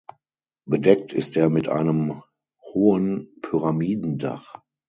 Bedeckt ist er mit einem hohen Pyramidendach.